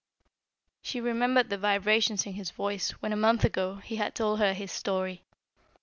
She remembered the vibrations in his voice when, a month ago, he had told her his story.